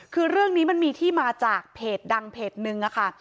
คือเรื่องนี้มันมีที่มาจากเพจดังเพจนึงค่ะ